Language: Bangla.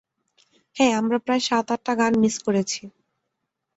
হ্যাঁ, আমরা প্রায় সাত - আটটা গান মিস করেছি।